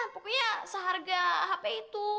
pokoknya seharga hp itu